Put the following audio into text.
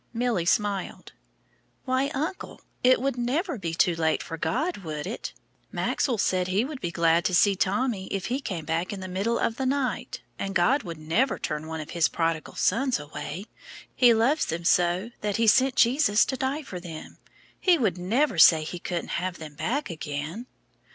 Milly smiled. "Why, uncle, it would be never too late for God, would it? Maxwell said he would be glad to see Tommy if he came back in the middle of the night, and God would never turn one of his prodigal sons away. He loves them so that he sent Jesus to die for them. He would never say He couldn't have them back again."